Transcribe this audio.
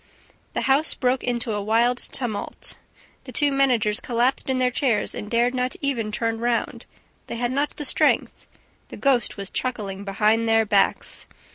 The house broke into a wild tumult. The two managers collapsed in their chairs and dared not even turn round; they had not the strength; the ghost was chuckling behind their backs!